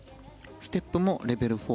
ステップもレベル４。